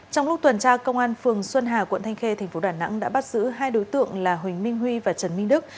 trong lúc tuần tra công an phường xuân hà quận thanh khê tp đà nẵng đã bắt giữ hai đối tượng là huỳnh minh huy và trần minh đức